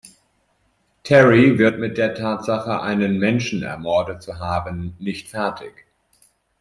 Terry wird mit der Tatsache, einen Menschen ermordet zu haben, nicht fertig.